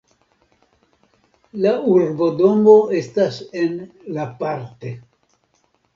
La urbodomo estas en La Parte.